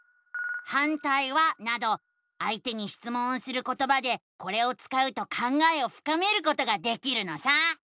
「反対は？」などあいてにしつもんをすることばでこれを使うと考えをふかめることができるのさ！